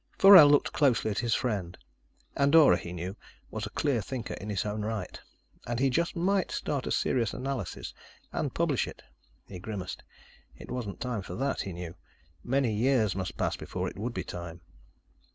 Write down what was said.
Forell looked closely at his friend. Andorra, he knew, was a clear thinker in his own right. And he just might start a serious analysis and publish it. He grimaced. It wasn't time for that, he knew. Many years must pass before it would be time.